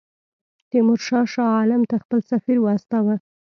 تیمورشاه شاه عالم ته خپل سفیر واستاوه.